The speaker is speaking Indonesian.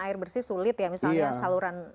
air bersih sulit ya misalnya saluran